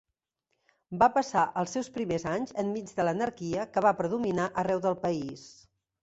Va passar els seus primers anys enmig de l'anarquia que va predominar arreu del país.